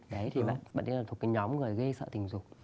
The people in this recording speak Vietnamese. đấy thì bạn ấy là thuộc cái nhóm người gây sợ tình dục